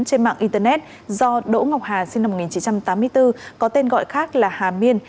trên mạng internet do đỗ ngọc hà sinh năm một nghìn chín trăm tám mươi bốn có tên gọi khác là hà miên